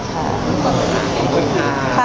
ขอบคุณค่ะ